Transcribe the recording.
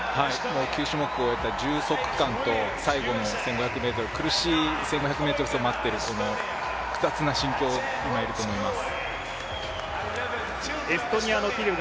９種目を終えた充足感と最後の１５００ｍ、苦しい１５００ｍ走を待っている複雑な心境で今いると思います。